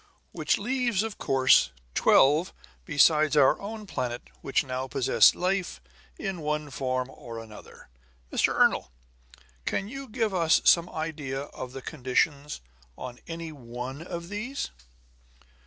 "Which leaves, of course, twelve besides our own planet which now possess life in one form or another. Mr. Ernol, can you give us some idea of conditions on any one of these?"